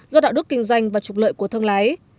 do đạo đức kinh doanh và trục lợi của thương lái